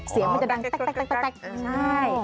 เสียงมันจะดักใช่